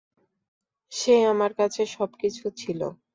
সে আমার কাছে সবকিছু ছিল।